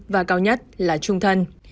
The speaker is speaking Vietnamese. và cao nhất là trung thân